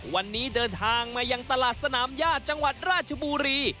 วันนี้เดินทางมายังตลาดสนามญาติจังหวัดราชบุรี